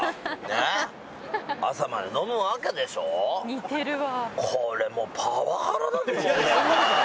似てるわ。